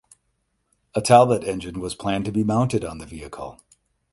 A Talbot engine was planned to be mounted on the vehicle.